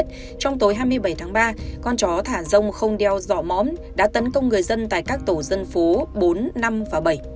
trong tối hai mươi bảy tháng ba con chó thả rông không đeo dọ mõm đã tấn công người dân tại các tổ dân phố bốn năm và bảy